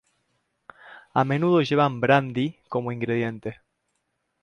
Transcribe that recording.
A menudo llevan "brandy" como ingrediente.